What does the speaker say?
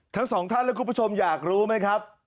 ทั้งสองท่านและคุณผู้ชมอยากรู้ไหมครับ